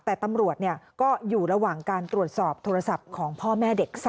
แต่ตำรวจก็อยู่ระหว่างการตรวจสอบโทรศัพท์ของพ่อแม่เด็ก๓